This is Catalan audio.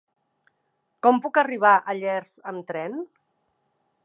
Com puc arribar a Llers amb tren?